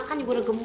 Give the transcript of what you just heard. keluar ga lo